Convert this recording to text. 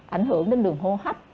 ảnh hưởng đến đường hô hấp